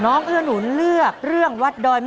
น้องป๋องเลือกเรื่องระยะทางให้พี่เอื้อหนุนขึ้นมาต่อชีวิต